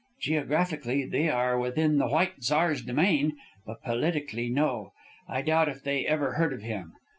"Geographically, they are within the White Tsar's domain; but politically, no. I doubt if they ever heard of him.